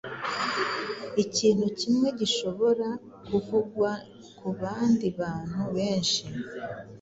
Ikintu kimwe gishobora kuvugwa kubandi bantu benshi.